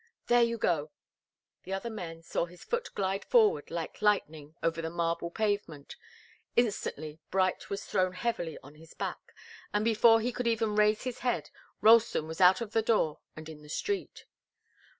There you go!" The other men saw his foot glide forward like lightning over the marble pavement. Instantly Bright was thrown heavily on his back, and before he could even raise his head, Ralston was out of the door and in the street.